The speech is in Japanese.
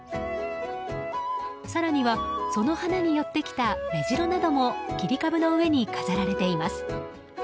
更には、その上にやってきたメジロなども切り株の上に飾られています。